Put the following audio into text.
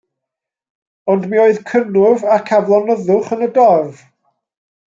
Ond mi oedd cynnwrf ac aflonyddwch yn y dorf.